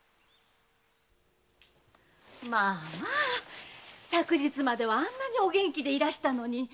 まあまあ昨日まではあんなにお元気でいらしたのに。